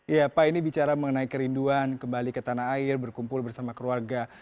iya pak ini bicara mengenai kerinduan kembali ke tanah air berkumpul bersama keluarga